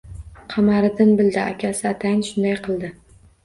Qamariddin bildi: akasi atayin shunday qildi